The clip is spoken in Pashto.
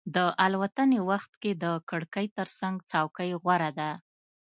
د الوتنې وخت کې د کړکۍ ترڅنګ څوکۍ غوره ده.